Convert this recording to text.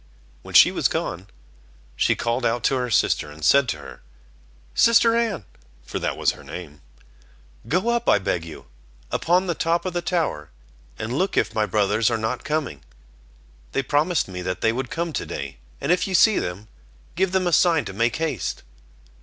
When she was alone, she called out to her sister, and said to her: "Sister Anne" (for that was her name), "go up I beg you, upon the top of the tower, and look if my brothers are not coming; they promised me that they would come to day, and if you see them, give them a sign to make haste."